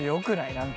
何か。